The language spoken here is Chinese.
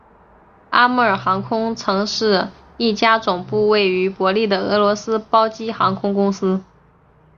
阿穆尔航空曾是一家总部位于伯力的俄罗斯包机航空公司。